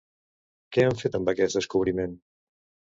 Què han fet amb aquest descobriment?